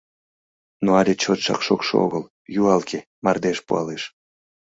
Но але чотшак шокшо огыл, юалге мардеж пуалеш.